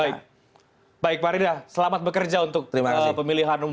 baik baik pak rida selamat bekerja untuk pemilihan umum dua ribu sembilan belas